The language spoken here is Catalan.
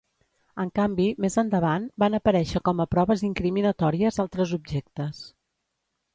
En canvi, més endavant, van aparèixer com a proves incriminatòries altres objectes.